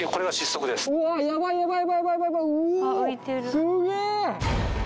すげえ！